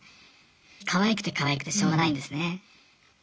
かわいくてかわいくてしようがないんですね。